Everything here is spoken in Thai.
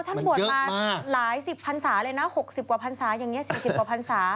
ท่านบวชมาหลายสิบพันศาเลยนะ๖๐กว่าพันศาอย่างนี้๔๐กว่าพันศา